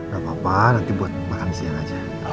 gak apa apa nanti buat makan siang aja